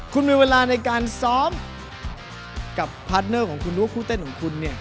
คุณมีเวลาในการซ้อมกับพาร์ทเนอร์ของคุณรู้ว่าคู่เต้นของคุณเนี่ย